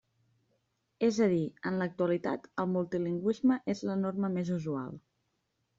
És a dir, en l'actualitat el multilingüisme és la norma més usual.